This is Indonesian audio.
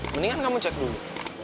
mendingan kamu cek dulu